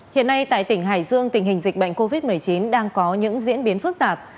hiện nay tại tỉnh hải dương tình hình dịch bệnh covid một mươi chín đang có những diễn biến phức tạp